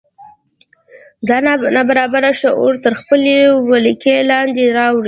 دا ناببره لاشعور تر خپلې ولکې لاندې راولي